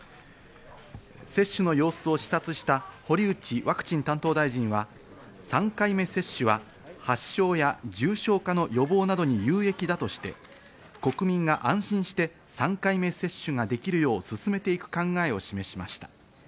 接種の様子を視察した堀内ワクチン担当大臣は３回目接種は発症や重症化の予防などに有益だとして、国民が安心して３回目接種ができるよう進めていく考えを示しました。